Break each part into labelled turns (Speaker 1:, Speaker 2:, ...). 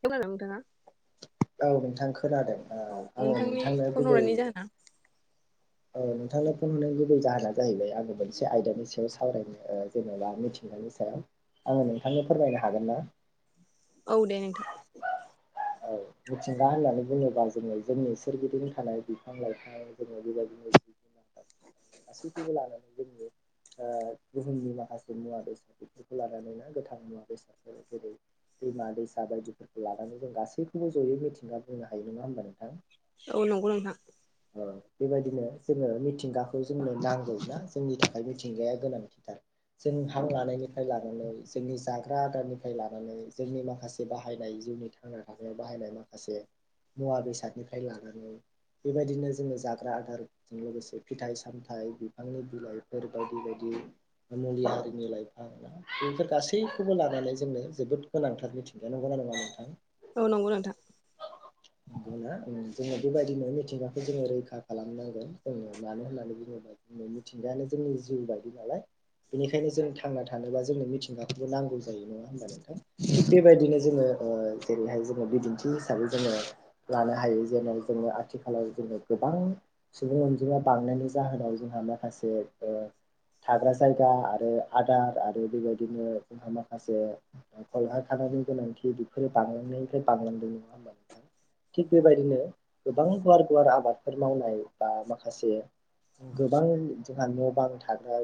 Speaker 1: खोनादों नोंथांआ
Speaker 2: औ नोंथां खोनादों ओ आङो नोंथांनो
Speaker 1: फन
Speaker 2: गुबै
Speaker 1: हरनायनि जाहोना
Speaker 2: ओ नोंथांनो फन हरनायनि गुबै जाहोना जाहैबाय आङो मोनसे आयदानि सायाव सावरायनो जेनेबा मिथिंगानि सायाव आङो नोंथांनो फोरमायनो हागोन ना
Speaker 1: औ दे नोंथां
Speaker 2: औ मिथिंगा होननानै बुङोबा जोङो जोंनि सोरगिदिं थानाय बिफां लाइफां जोङो बेबायदिनो गासैखौबो लानानै जोङो ओ बुहुमनि माखासे मुवा बेसाद बेफोरखौ लानानै ना गोथां मुवा बेसादफोर जेरै दैमा दैसा बायदिफोरखौ लानानै जों गासैखौबो जयै मिथिंगा बुंनो हायो नङा होमबा नोंथां
Speaker 1: औ नंगौ नोंथां
Speaker 2: उम बेबायदिनो जोङो मिथिंगाखौ जोंनो नांगौब्ला जोंनि थाखाय मिथिंगाया गोनांथिथार जों हां लानायनिफ्राय लानानै जोंनि जाग्रा आदारनिफ्राय लानानै जोंनि माखासे बाहायनाय जिउनि थांना थानायाव बाहायनाय माखासे मुवा बेसादनिफ्राय लानानै बेबायदिनो जोङो जाग्रा आदारजों लोगोसे फिथाइ सामथाइ बिफांनि बिलाइफोर बायदि बायदि मुलि हारिनि लाइफाा बेफोर गासैखौबो लानानै जोंनो जोबोद गोनांथार मिथिंगा नंगौ आरो खौनादों नोंथां
Speaker 1: औ नंगौ नोंथां
Speaker 2: नंगौना ओं जोङो बेबायदिनो मिथिंगाखौ जोङो रैखा खालामनांगोन जोङो मानो होननानै बुङोबा जोंनि मिथिंगायानो जों जोंनि जिउ बायदि नालाय बेनिखायनो जों थांना थानोबा जोंनो मिथिंगाखौबो नांगौ जायो नङा होनोमबा नोंथां थिग बेबायदिनो जोङो ओ जेरैहाय बिदिन्थि हिसाबै जोङो लानो हायो जेनब जोङो आथिखालाव जोङो गोबां सुबुं अनजिमा बांनायनि जाहोनाव जोंहा माखासे थाग्रा जायगा आरो आदार आरो बेबायदिनो जोंहा माखासे ख था ग्रानि गोनांथि बेफोरो बांलांनायनिफ्राय बांलांदों नङा होमबा नोंथां थिग बेबायदिनो गोबां गुवार गुवार आबादफोर मावनाय बा माखासे गोबां जोंहा न' बां थाग्रा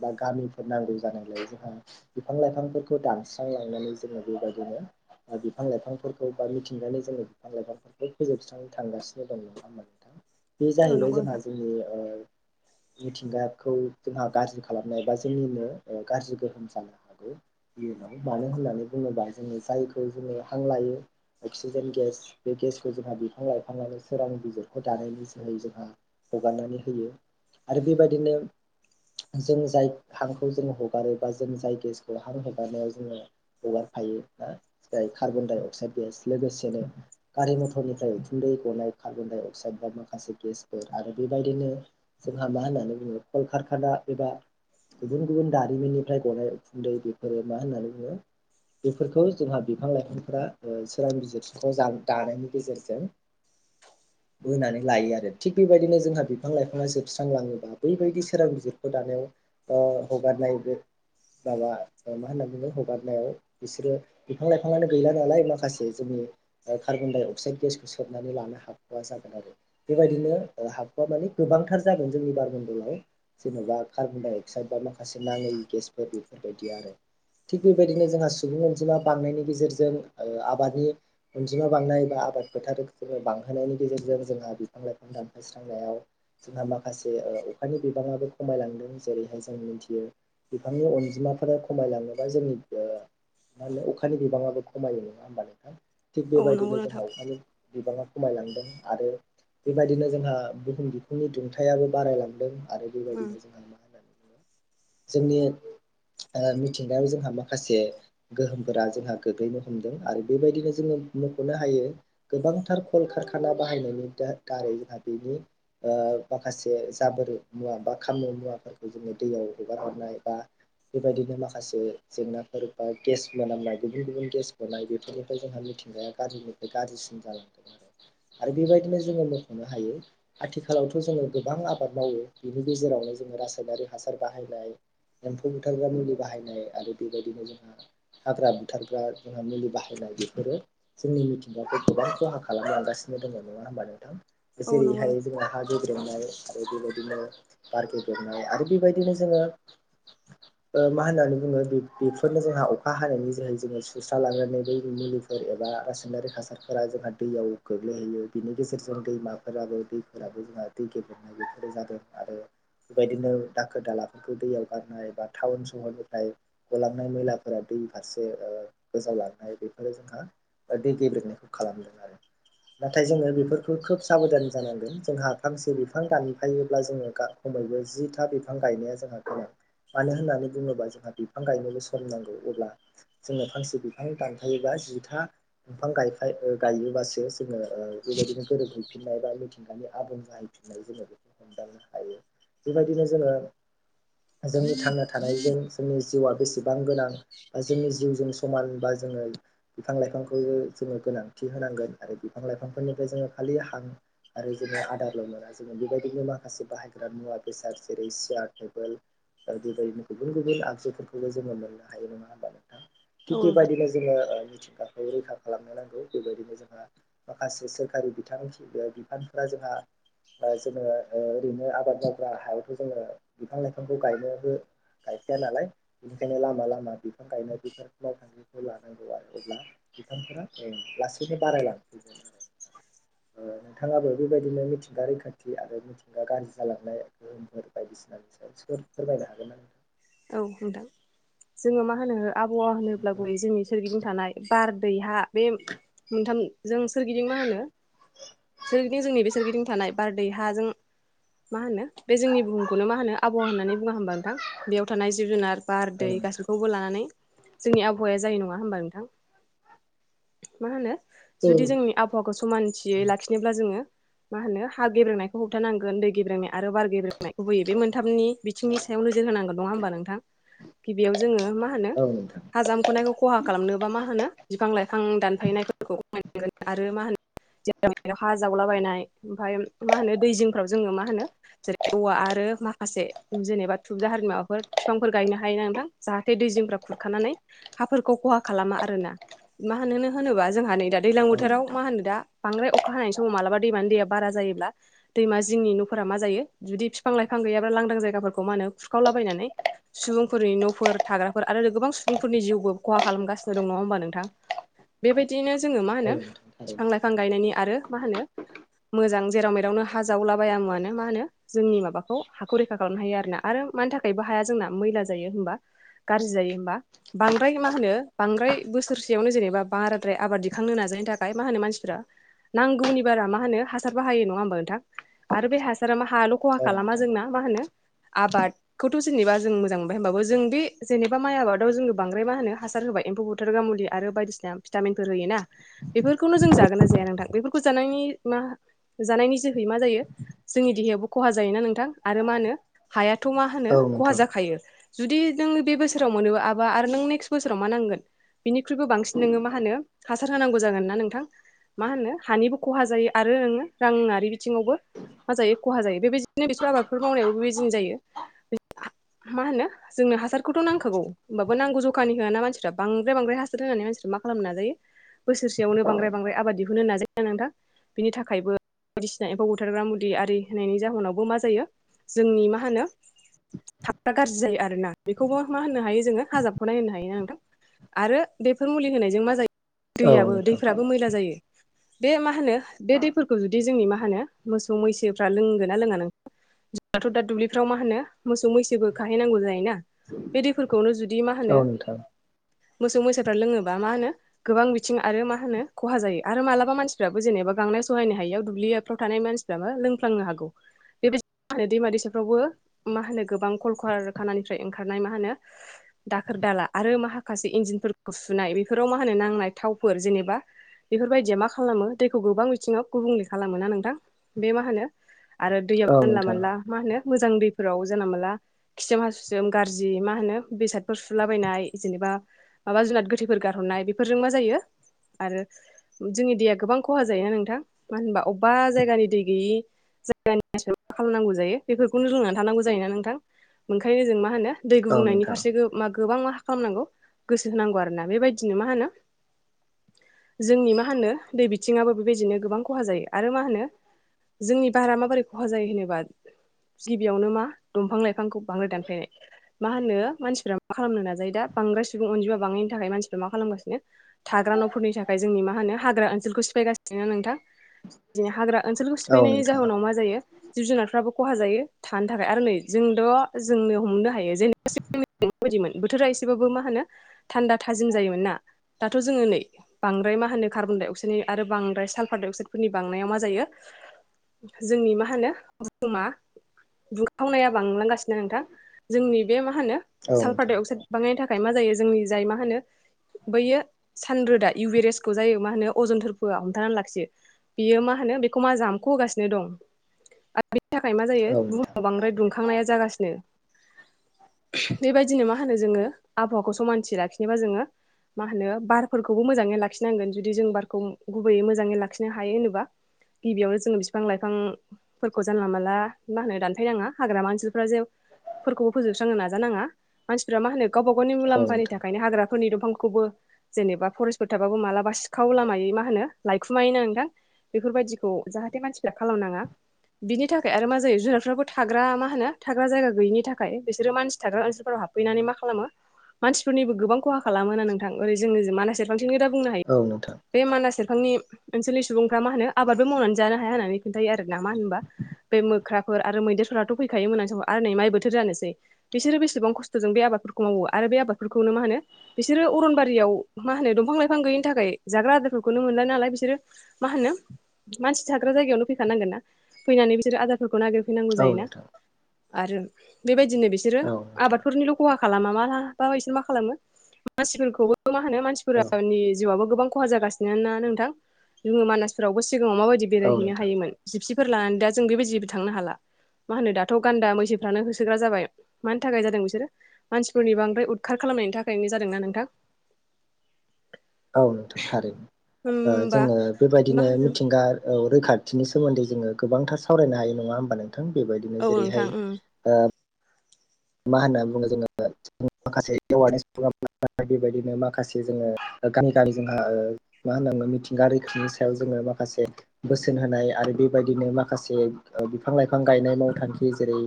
Speaker 2: बा गामिफोर नांगौ जानायलाय जोंहा बिफां लाइफांफोरखौ दानस्रांलांनानै जोङो बेबायदिनो बिफां लाइफां फोरफोरखौ बा मिथिंगाय जोंनि बिफां लाइफांफोरखौ फोजोबस्रांनो थांगासिनो दं नङा होमा नोंथां बे
Speaker 1: औ
Speaker 2: जाहैबाय
Speaker 1: नंगौ
Speaker 2: जोंहा
Speaker 1: नोंथां
Speaker 2: जोंनि मिथिंगाखौ जोंहा गाज्रि खालामनाय एबा जोंनिनो गाज्रि गोहोम जानो हागौ इयुनाव मानो होननानै बुङोबा जोङो जायखौ जोङो हांलायो अक्सिजेन गेस बे गेसखौ जोंहा बिफां लाइफां आनो सोरां बिजिरखौ दानायनि जोहै जोंहा हगारनानै होयो आरो बेबायदिनो जों जाय हांखौ जों हगारोबा जों जाय गेसखौ हां हगारनायाव जोङो हगार हायो जाय कार्बन डाइ अक्साइड लोगोसेनो गारि मटरनिफ्राय उखुन्दै गनाय कार्बन डाइ अक्साइड बा माखासे गेसफोर आरो बेबायदिनो जोंहा मा होननानै बुङो कलकारखाना एबा गुबुन गुबुन दारिमिननिफ्राय गनाय उखुन्दै बेफोरो मा होननानै बुङो बेफोरखौ जोंहा बिफां लाइफांफोरा सोरां बिजिरख दानायनि गेजेरजों होनानै लायो आरो थिग बेबायदिनो जोंहा बिफां लाइफाङा जोबस्रांलाङोबा बैबायदि सोरां बिजिख दानायाव होगारनाय बे माबा मा होनना बुङो हगारनायाव बिसोरो बिफां लाइफां आनो गैला नालाय मा माखासे जोंनि कार्बन दडाइ अक्साइद गेसखौ सोबनानै लानो हाथ'वा जागोन आरो बेबायदिनो हाखवाआ माने गोबांथार जागोन जोंनि बार बन दलाव जेन'बा कार्बन डाइ अक्साइद बा माखासे नाङै गेसफोर बेफोरबायदि आरो थिग बेबायदिनो जोंहा सुबुं अनजिमा बांनायनि गेजेरजों आबादनि अनजिमा बांनाय बा आबाद फोथार गोहो बांनायनि गेजेरजों जोंहा बिफां लाइफां दानफायस्रांनायाव जोंहा माखासे अखानि बिबाङाबो खमायलांदों जेरैहाय जों मिथियो बिफांनि अनजिमाफोरा खमायलाङोबा जोंनि मा होनो अखानि बिबाङाबो खमायो नङा होमबानोथां थिग
Speaker 1: औ नंगौ
Speaker 2: बेबायदिनो
Speaker 1: नोंथां
Speaker 2: जोंहा अखानि बिबाङा खमायलांदों आरो बेबायदिनो जोंहा बुहुम बिखुंनि दुंथायाबो बारायलांदों आरो
Speaker 1: उम
Speaker 2: बेबायदिनो जोंहा मा होननानै बुङो जोंनि मिथिंनायाव जोंहा माखासे गोहोमफोरा जोंहा गोग्लैनो हमदों आरो बेबायदिनो जोङो मख'नो हायो गोबांथार कलकारखाना बाहायनायनिारि दारै [unintelligible] ओ माखासे जाबोर मुवा बा खाम मुवाफोरखौ जोङो दैयाव हगार हरनाय बा बेबायदिनो माखासे जेंनाफोर बा गेस मोनामनाय गुबुन गुबुन गेस मोनामनाय बेफोरनिफ्राय जोंहा मिथिंगाया गाजनिफ्राय गाज्रिसिन जालांदों आरो आरो बेबायदिनो जोङो हायो आथिखालावथ' जोङो गोबां आबाद मावो बिनि गेजेरावनो जोङो रासायनारि हासार बाहायनाय एम्फौ बुथारग्रा मुलि बाहायनाय आरो बेबायदिनो जोंहा हाग्रा बुथारग्रा जोंहा मुलि बाहायनाय बेफोरो जोंनि मिथिंगाखौ गोबां खहा खालामलांगासिनो दङ नङा होमबा नोंथां
Speaker 1: औ नंगौ औ
Speaker 2: [unintelligible] नाय आरो बेबायदिनो पारके दंनाय आरो बेबायदिनो जोङो मा होननानै बुङो बेफोरनो जोंहा अखा हानायनि जोङो जुस लनानै बै मुलिफोर एबा रासायनारि हासारफोरा जोंहा दैयाव गोग्लैहैयो बिनि गेजेरजों दैमाफोराबो दैफोराबो जोंहा दै गेब्लेनाय बेफोरो जादों आरो बेबायदिनो दाखोर दालाफोरखौ दैयाव गारनाय बा टाउन सहरनिफ्राय गलांनाय मैलाफोरा दै फारसे गोजावलांनाय बेफोरो जोंहा दै गेब्रेबनायखौ खालामदों आरो नाथाय जोङो बेफोरखौ खोब साबधान जानांगोन जोंहा फांसे बिफां दानफायोब्ला जोङो बयबो जिथा बिफां गायनाया जोंहा गोनां मानो होननानै बुङोबा जोंहा बिफां गायनोबो सम नांगौ अब्ला जोंनो फांसे बिफां दानफायोबा जिथा बिफां गायोबासो जोङो बेबायदिनो गोरोब हैफिननाय बा मिथिंगानि आबुं बाहैफिननाय जोङो बेखौ हमदांनो हायो बेबायदिनो जोङो जोंनि थांना थानायजों जोंनि जिउआ बेसेबां गोनां बा जोंनि जिउजों समान बा जोङो बिफां लाइफांखौ जोङो गोनांथि होनांगोन आरो बिफां लाइफांफोरनिफ्राय जोङो हां आरो ज आदारल' ऊमोना जो बेबायदिनो माखासे बाहायग्रा मुवा बेसाद जेरै सियाय ल बायदि बायदि गुबुन गुबुन आगजुफोरखौबो जोङो मोननो हायो नङा होमबा नोंथां? थिग
Speaker 1: नोंथां
Speaker 2: बेबायदिनो जोङो ओ खौ रैखा खालामनो नांगौ बेबायदिनो जोंहा माखासे सोरखारि बिथांखि बे बिफानफोरा जों दा जोङो ओरैनो आबाद मावग्रा हायावथ' जोङो बिफां लाइफांखौ गायनोबो गायखाया नालाय बेनिखायनो लामा लामा बिफां गायनाय बेफोर मावखान्थिखौ लानांगौ आरो अब्ला बिथांफोरा लासैनो बारायलांफैगोन आरो औ नोंथाङाबो बेबायदिनो मिथिंगा रैखाथि आरो मिथिंगा गाज्रि जालांनाय गोहोमफोर बायदिसिनानिसायाव बि फोरमायनो हागोन ना नोंथां?
Speaker 1: औ नोंथां। जोङो मा होनो आबहावा होनोब्लाबोै जोंनि सोरगिदिं थानाय बार दै हा बे मोनथाम जों सोरगिदिं मा होनो सोरगिदिं जोंनि बे सोरगिदिं थानाय बार दै हा जों मा होनो बे जोंनिुहुमखौनो मा होनो आबहावा होननानै बुङा होमबा नोंथां बेयाव थानाय जिब जुनार बार दै
Speaker 2: नोंथां
Speaker 1: गासैखौबो लानानै जोंनि आबहावाया जायो नङा होमबा नोंथां? मा होनो जुदि जोंनि आबहावाखौ समानथियै लाखिनोब्ला जोङो मा होनो हा गेबेंनायखौ होबथानांगोन दै गेबेंनाय आरो बार गेब्रेनाय गुबैयै बे मोनथामनि बिथिंनि सायाव नोजोर होनांगौ नङा होमबा नोंथां? गिबियाव जोङो मा होनो
Speaker 2: औ नोंथां
Speaker 1: हाजामखनायखौ खहा खालामनोबा मा होनो बिफां लाइ फां दानफायनायफोरखौ खमायनांगोन आरो मा होनो जेर हा जावलाबायनाय ओमफफ्राय मा होनो दै जिंफ्राव जोङो मा होनो जेरै औवा आरो माखासे जेनेबा थुबजाहारमाव फोर बिफांफोर गायनो हायो नांथां जाहाथे दै जिमफ्रा खुरखानानै हाफोरखौ खहा खालामा आर ना। मा होनोनो होनोबा जोंहा नै दा दैज्लां
Speaker 2: औ
Speaker 1: बोथोराव
Speaker 2: नोंथां
Speaker 1: मा होनो दा बां्राय अखा हानाय समाव मालाबा दैमानि दैया बारा जायोब्ला दैमा जिोंनि न'फोरा मा जायो जुदि बिफां लाइफां बिफां गैयाब्रा लांदां जायगाफोरखौ मा होनो खुखावलाबायनानै सुबुंफोरनि न'फोर थाग्राफोर आरो गोबां सुबुंफोरनि जिउबो खहा खालामगासिनो दं नङा होमबा नोंथां बेबायदियैनो जोङो मा
Speaker 2: औ नोंथां औ
Speaker 1: होनो
Speaker 2: नोंथां
Speaker 1: बिफां
Speaker 2: थारैनो
Speaker 1: लाइफां गायनायनि आरो मा होनो मोजां जेराव मेरावनो हा जावलाबायायाामुआानो मा होनो जोंनि माबाखौ हाखौ रैखा खालामनो हायो आरोोना आरो मानि थाखाय बेबो हाया हाया जोंना मैला जायो होमबा गाज्रि जायो होमबा बांद्राय मा होनो बांद्राय बोसोरसेयावनो जेनेबा बाराद्राय आबाद दिखांनो नाजायो नि थाखाय मा होनो मानसिफ्रा नांगौनि बारा मा होनो हासार बाहायो नङा हबा नोंथां आरो बे हासारा मा हायाल' खहा खालामा
Speaker 2: औ
Speaker 1: जोंना मा होनो आबाद खौथ' जेबा जों मोजां मोनबाय ह होनबाब जों बे जेनेबा माइ आबादाव जोंनो बांद्राया होनो हासार होब एम्फौ बुथारग्रा मुलि आरो बायदिसिना भिटामिनफोर होयोोना बेफोरखौनो जों जागोन ना जाया नोंथां बेफोरखौ जानायनि मा जानायनि जोहै मा जायो जोंनि देहायायावो खहा जायोना नोंथां आरो मा होनो हाया थ' मा होनो खहा
Speaker 2: नोंथां
Speaker 1: जाखायो। जुदि नोङो बे बोसोराव मोनो आबा आरो नों नेक्स्ट बोसोराव मा नांगोन बिनिख्रुइबो बांसिन नोङो मा होनो हासार होनांगौ जागोन ना नोंथां? मा होनो हानिबो खहा जायो आरो रांङारि बिथिङावबो मा जायो खहा जायो। बेबायदिनो बिसोर आबादफोर मावनायावबो बेबायदिनो जायो।
Speaker 2: [inaudible]
Speaker 1: मा होनो जोंनो हासारखौथ' नांखागौ होनोमबाबो नांगौ जखानि होआ ना मानसिफ्रा बांद्राय बांद्राय हासार होनानै मा खालामनो नाजायो बोसोरसेयावनो बांद्राय बांद्राय आबाद दिहुननो नाजायो नोंथां बिनि थाखायबो बायदिसिना एम्फौ बुथारग्रा मुलि आरि होनायनि जाहोनावबो मा जायो जोंनि मा होनो थाबफ्रा गाज्रि जायो आरोना बेखौबो मा होननो हायो जोङो हाजाबखौनाय होनो हायो ना नोंथां। आरो बेफोर मुलि होनायजों मा जायो
Speaker 2: औ
Speaker 1: दैयाबो
Speaker 2: नोंथां
Speaker 1: दैफोराबो मैला जायो। बे मा होनो बे दैफोरखौ जुदि जोंनि मा होनो मोसौ मैसोफ्रा लोंगोना लोङा नों जोंनाथ' दा दुब्लिफ्राव मा होनो मोसौ मैसोबो खाहैनांगौ जायो ना। बे दैफोरखौनो जुदि मा होनो
Speaker 2: औ नोंथां औ नोंथां औ
Speaker 1: मोसौ मैसोफ्रा लोङोबा मा होनो गोबां बिथिं आरो मा होनो खहा जायो आरो मालाबा मानसिफ्राबो जेनेबा गांनाय सहायनो हायैयाव दुब्लियाफ्राव थानाय मानसिफ्राबो लोंफ्लांनो हागौ बेबायदि [unintelligible] दैमा दैसा वबो मा होनो गोबां कल कवार खानानिफ्राय ओंखारनाय मा होनो दाखोर दाला आरो मा खासे इन्जिनफोरखौ सुनाय बेफोराव मा होनो नांनाय थावफोर जेनेबा बेफोरबायदिया मा खालामो दैखौ गोबां बिथिङाव गुबुंले खालामो ना नोंथां बे मा होनो आरो दैयाव जानला
Speaker 2: नोंथां औ नोंथां
Speaker 1: मानला मा होनो मोजां दैफोराव जानला मानला खिसोम हासुसोम गारजि मा होनो बेसादफोर सुलाबायनाय जेनेबा माबा जुनाद गोथैफोर गारहरनाय बेफोरजों मा जायो आरो जोंनि दैया गोबां खहा जायोना नोंथां मा होनबा अबेबा जायगानि दै गैयि जायगानि [unintelligible] मा खालामनांगौ जायो बेफोरखौनो लोंनानै थानांगौ जायोना नोंथां ओंखायनो जों मा होनो दै गुबुंनायनि फारसे गो मा गोबां मा खालामनांगौ गोसो होनांगौ आरोना बेबायदिनो मा होनो जोंनि मा होनो दै बिथिङाबो बेबायदिनो गोबां खहा जायो आरो मा होनो जोंनि बारा माबोरै खहा जायो होनोबा
Speaker 2: [inaudible]
Speaker 1: गिबियावनो मा दंफां लाइफांखौ बांद्राय दानफायनाय मा होनो मानसिफ्रा मा खालामनो नाजायो दा बां सुबुं अनजिमा बांनायनि थाखाय मानसिफोरा मा खालामगासिनो थाग्रा न'फोरनि थाखाय जोंनि मा होनो हाग्रा ओनसोलखौ सिफायगासिनो नोंथां दिनै हाग्रा ओनसोलखौ
Speaker 2: औ
Speaker 1: सिफायनायनि
Speaker 2: नोंथां
Speaker 1: जाहोनाव मा जायो जिब जुनारफ्राबो खहा जायो थानो थाखाय आरो नै जोंद'' जोंनो हमनो हायो जेने [unintelligible] मोन बोथोरा एसेबाबो मा होनो थान्दा थाजिम जायोमोन ना दाथ' जोङो नै बां द्राय मा होनो कार्बनडाइ अक्साइडनि आरो बांद्राय साल्फार डाइअक्साइडफोरनि बांनायाव मा जायो जोंनि मा होनो भुमा दुंखावनाया बांलांगासिनो नोंथां जोंनि बे मा होनो
Speaker 2: औ नोंथां
Speaker 1: साल्फारडाइ अक्साइद बांनायनि थाखाय मा जायो जोंनि जाय मा होनो बैयो सान रोदा इउ भे रेसखौ जायो मा होनो अजन थोरफोआ हमथानानै लाखियो। बियो मा होनो बेखौ मा जामख' होगासिनो दं। बेनि थाखाय मा जायो
Speaker 2: औ नोंथां
Speaker 1: बुहुमाव बांद्राय दुंखांनाया जागासिनो।
Speaker 2: [inaudible]
Speaker 1: बेबायदिनो मा होनो जोङो आबहावाखौ समानथि लाखिनोबा जोङो। मा होनो बारफोरखौबो मोजाङै लाखिनांगोन जुदि जों बारखौ गुबैयै मोजाङै लाखिनो हायो होनोबा गिबियावनो जोङो बिफां लाइफां फोरखौ जानला माला मा होनो दानफायनाङा हाग्रामा ओनसोलफोरा जे फोरखौबो फोजोबस्रांनो नाजा नाङा मानसिफ्रा मा होनो गावबा गावनि
Speaker 2: औ
Speaker 1: मुलाम्फानि
Speaker 2: नोंथां
Speaker 1: थाखायनो हाग्रा फोरनि दंफांखौबो जेनेबा फरेस्टफोर थाबाबो मालाबा सिखाव लामायै मा होनो लायखुमायोना नोंथां बेफोरबायदिखौ जाहाथे मानसिफ्रा खालामनाङा बिनि थाखाय आरो मा जायो जुनारफ्राबो थाग्रा मा होनो थाग्रा जायगा गैयिनि थाखाय बिसोरो मानसि थाग्रा ओनसोलफोराव हाब फैनानै मा खालामो मानसिफोरनिबो गोबां खहा खालामोना नोंथां ओरै जों माने सेरफां थिंनो दा बुंनो हायो।
Speaker 2: औ नोंथां
Speaker 1: बे मानास सेरफांनि ओनसोलनि सुबुंफ्रा मा होनो आबादबो मावनानै जानो हाया होननानै खोन्थायो आरोना मा होनबा बे मोख्राफोर आरो मैदेरफोराथ' फैखायो मोनानि समाव आरो नै माइ बोथोर जानोसै बिसोरो बेसेबां खस्थ'जों बे आबाद फोरखौ मावो आरो बे आबादफोरखौनो मा होनो बिसोरो अरनबारियाव मा होनो दंफां लाइफां गैयिनि थाखाय जाग्रा आदारफोरखौनो मोनला नालाय बिसोरो मा होनो मानसि थाग्रा जायगायावनो' फैखानांगोन ना फैना नै बिसोर आदारफोरखौ नागिर फैनांगौ
Speaker 2: औ
Speaker 1: जायोना
Speaker 2: नोंथां
Speaker 1: आरो बेबायदिनो बिसोरो
Speaker 2: औ नोंथां
Speaker 1: आबादफोरनिल' खहा खालामा मालाबा इसोर मा खालामो मानसिफोरखौबो मा होनो
Speaker 2: औ
Speaker 1: मानसिफोरानि जिउआबो गोबां खहा खहा जागासिनो ना नोंथां जोङो मानासफोरावबो सिगाङाव माबायदि
Speaker 2: औ
Speaker 1: बेरायहैनो
Speaker 2: नोंथां
Speaker 1: हायोमोन जिपसि फोर लानानै दा जों बेबायदिबो थांनो हाला। मा होनो दाथ' गान्दा मैसोफ्रानो होसोग्रा जाबाय मानि थाखाय जादों बिसोरो मानसिफोरनि बांद्राय उदखार खालाम नायनि थाखायनो जादोंना नोंथां।
Speaker 2: [inaudible] औ नोंथां थारै ओ
Speaker 1: होमबा
Speaker 2: जोङो
Speaker 1: मा
Speaker 2: बेबायदिनो
Speaker 1: होनो
Speaker 2: मिथिंगा औ। रैखाथिनि सोमोन्दै जोङो गोबांथार सावरायनो हायो नङा होमबा नोंथां
Speaker 1: औ
Speaker 2: बेबायदिनो
Speaker 1: नोंथां
Speaker 2: जेरैहाय मा होनना बुङो जोङो माखासे एवारनेस प्रग्राम लानो हायो बेबायदिनो माखासे जोङो [unintelligible] जोंहा मा होनोमोन मिथिंगायारि रैखाथिनि सायाव जोङो माखासे बोसोन होनाय आरो। बेबायदिनो माखासे बिफां लाइफां गायनाय मावथांखि जेरै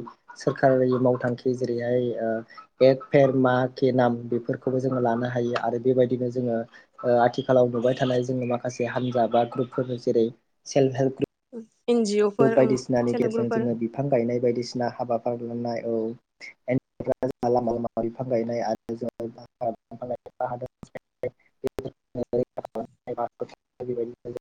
Speaker 2: सोरखारि मावथांखि जेरैहाय ओ [unintelligible] बेफोरखौबो जोङो लानो हायो आरो बेबायदिनो जों ओ आथिखालाव नुबाय थानाय जोङो माखासे हान्जा बा ग्रुपफोर जेरै सेल्फ हेल्प ग्रुप
Speaker 1: एनजिअ फोर ओम
Speaker 2: बायदिसिनानि
Speaker 1: सेल्फ हेल्प
Speaker 2: गेजेरजों
Speaker 1: ग्रुपफोर
Speaker 2: जोङो बिफां गायनाय बायदि सिना हाबाफारि लनाय औ [unintelligible] लामा‌ लामा बिफां गायनाय आरो [unintelligible] [unintelligible]